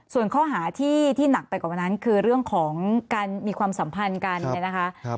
ส่วนข้อหาที่หนักไปกว่านั้นคือเรื่องของการมีความสัมพันธ์กันเนี่ยนะคะ